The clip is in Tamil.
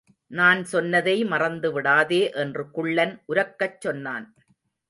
நான் சொன்னதை மறந்துவிடாதே என்று குள்ளன் உரக்கச் சொன்னான்.